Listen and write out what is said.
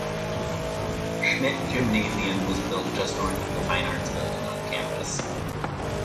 Schmidt Gymnasium was built just north of the fine arts building on campus.